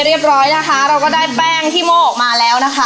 เรียบร้อยได้แผงที่ม่อออกมาแล้ว